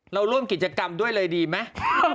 ร่วมกิจกรรมด้วยเลยดีไหม